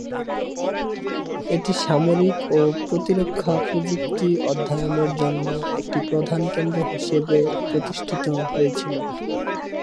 এটি সামরিক ও প্রতিরক্ষা প্রযুক্তি অধ্যয়নের জন্য একটি প্রধান কেন্দ্র হিসাবে প্রতিষ্ঠিত হয়েছিল।